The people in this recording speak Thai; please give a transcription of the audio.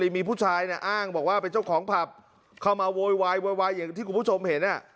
มีผู้ชายอ้างบอกว่าเป็นเจ้าของผับเข้ามาโวยวายโวยวายอย่างที่คุณผู้ชมเห็น